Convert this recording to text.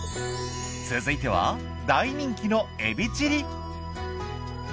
続いては大人気のエビチリ。